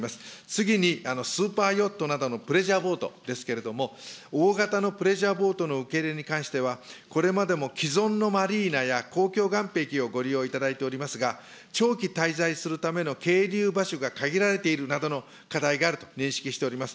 次に、スーパーヨットなどのプレジャーボートですけれども、大型のプレジャーボートの受け入れに関しては、これまでも既存のマリーナや、公共岸壁をご利用いただいておりますが、長期滞在するための係留場所が限られているなどの課題があると認識しております。